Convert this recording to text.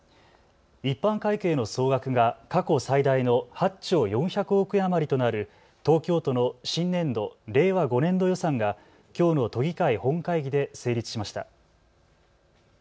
一般会計の総額が過去最大の８兆４００億円余りとなる東京都の新年度・令和５年度予算がきょうの都議会本会議で成立しました。